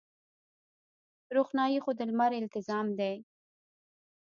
روښنايي خو د لمر التزام دی.